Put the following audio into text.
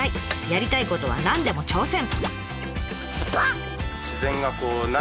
やりたいことは何でも挑戦！